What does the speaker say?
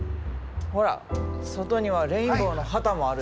ほら外にはレインボーの旗もあるやろ？